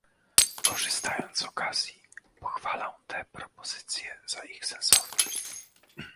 Korzystając z okazji pochwalam te propozycje za ich sensowność